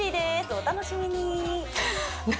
お楽しみに何？